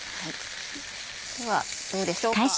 ではどうでしょうか？